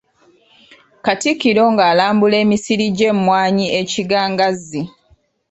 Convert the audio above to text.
Katikkiro nga alambula emisiri gy’emmwanyi e Kigangazzi.